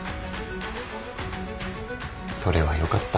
それはよかった。